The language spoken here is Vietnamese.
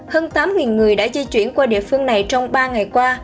hơn tám người đã di chuyển qua địa phương này trong ba ngày qua